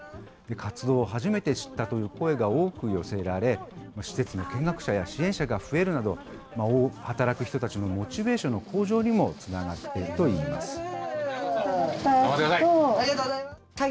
活動を初めて知ったという声が多く寄せられ、施設の見学者や支援者が増えるなど、働く人たちのモチベーションの向上にもつながっありがとうございます。